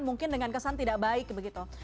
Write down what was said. mungkin dengan kesan tidak baik begitu